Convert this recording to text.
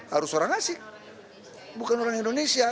harus orang asing bukan orang indonesia